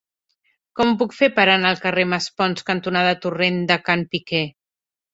Com ho puc fer per anar al carrer Maspons cantonada Torrent de Can Piquer?